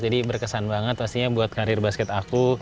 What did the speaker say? jadi berkesan banget pastinya buat karir basket aku